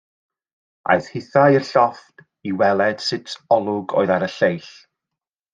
Aeth hithau i'r llofft i weled sut olwg oedd ar y lleill.